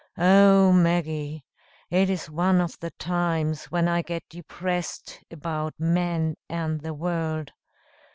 Oh, Maggie! it is one of the times when I get depressed about men and the world.